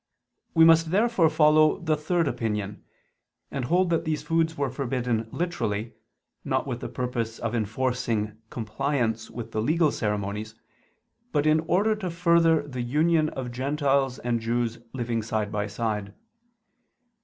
We must therefore follow the third opinion, and hold that these foods were forbidden literally, not with the purpose of enforcing compliance with the legal ceremonies, but in order to further the union of Gentiles and Jews living side by side.